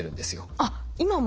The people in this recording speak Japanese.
あっ今も。